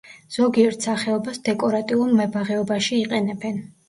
ზოგიერთ სახეობას დეკორატიულ მებაღეობაში იყენებენ.